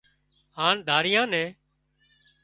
هانَ ڌرايئان نين